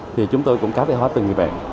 thì chúng tôi cũng cá cái hóa từng người bệnh